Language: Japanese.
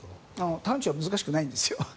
探知は難しくないんですよ。